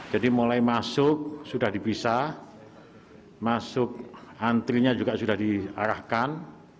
jadi mulai masuk sudah dipisah masuk antrinya juga sudah diarahkan